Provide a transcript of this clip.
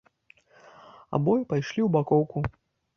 Абое пайшлі ў бакоўку.